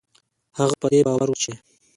هغه په دې باور و چې